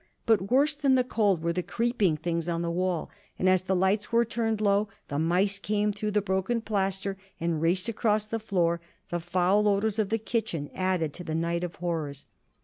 But worse than the cold were the creeping things on the wall. And as the lights were turned low, the mice came through the broken plaster and raced across the floor. The foul odors of the kitchen sink added to the night of horrors.